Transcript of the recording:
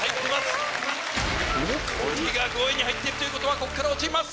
ホリが５位に入ってるということはこっから落ちます。